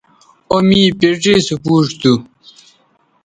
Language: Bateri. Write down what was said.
او میوں پڇے سو پوڇ ھواں